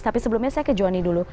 tapi sebelumnya saya ke joni dulu